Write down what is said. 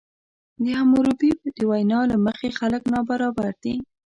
د حموربي د وینا له مخې خلک نابرابر دي.